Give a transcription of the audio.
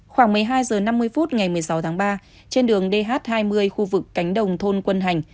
khoảng một mươi hai h năm mươi phút ngày một mươi sáu tháng ba trên đường dh hai mươi khu vực cánh đồng thôn quân hành